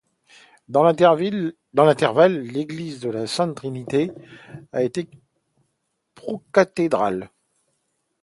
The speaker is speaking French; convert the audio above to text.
Dans l'intervalle, l'église de la Sainte-Trinité a été pro-cathédrale.